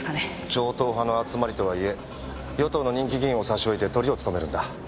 超党派の集まりとはいえ与党の人気議員を差し置いてトリを務めるんだ。